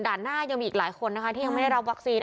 หน้ายังมีอีกหลายคนนะคะที่ยังไม่ได้รับวัคซีน